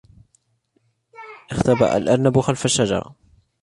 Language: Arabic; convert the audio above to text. اختبأ الأرنب خلف الشجرة.